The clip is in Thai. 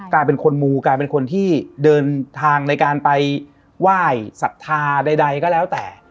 กลายเป็นคนมูกลายเป็นคนที่เดินทางในการไปไหว้ศรัทธาใดก็แล้วแต่